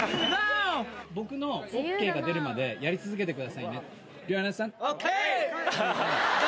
僕のＯＫが出るまで、やり続けてくださいね。